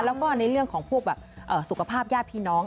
แล้วก็ในเรื่องของพวกแบบสุขภาพญาติพี่น้อง